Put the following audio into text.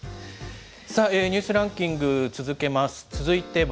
ニュースランキング、続けます。